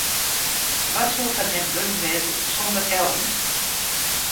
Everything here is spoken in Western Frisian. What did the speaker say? Wat soe fan him wurden wêze sonder Ellen?